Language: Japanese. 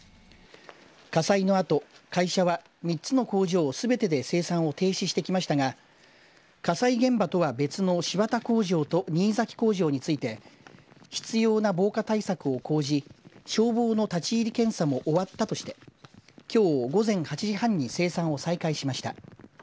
火災のあと会社は３つの工場すべてで生産を停止してきましたが火災現場とは別の新発田工場と新崎工場について必要な防火対策を講じ消防の立ち入り検査も終わったとしてきょう午前８時半に生産を再開しました。